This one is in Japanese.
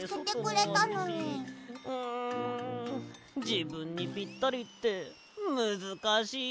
じぶんにぴったりってむずかしい。